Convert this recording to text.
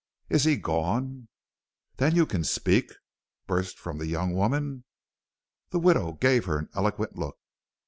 "'Is he gone?' "'Then you can speak,' burst from the young woman. "The widow gave her an eloquent look.